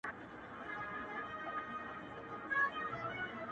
شېرينې ستا د مينې زور به په زړگي کي وړمه’